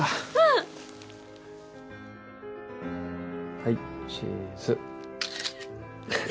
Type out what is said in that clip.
はいチーズ。